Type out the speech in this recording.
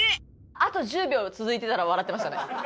あと１０秒続いてたら笑ってましたね。